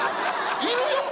いるよ